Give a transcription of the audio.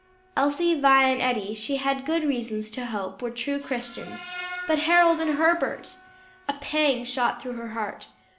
Elsie, Vi and Eddie she had good reasons to hope were true Christians; but Harold and Herbert? A pang shot through her heart.